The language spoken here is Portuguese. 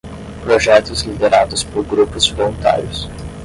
Projetos liderados por grupos de voluntários.